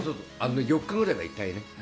４日ぐらいいたいね。